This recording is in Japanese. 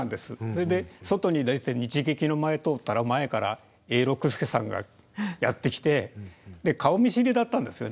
それで外に出て日劇の前通ったら前から永六輔さんがやって来てで顔見知りだったんですよね。